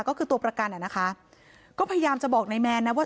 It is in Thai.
ก็คือตัวประกันอ่ะนะคะก็พยายามจะบอกนายแมนนะว่า